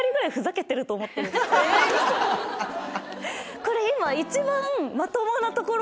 これ今。